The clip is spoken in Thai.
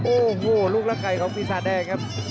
โอ้โหลูกรักไก่ของปีศาจแดงครับ